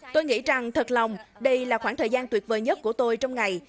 tôi nghĩ rằng thật lòng đây là khoảng thời gian tuyệt vời nhất của tôi trong ngày